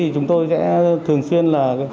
chúng tôi sẽ thường xuyên